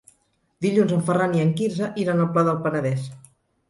Dilluns en Ferran i en Quirze iran al Pla del Penedès.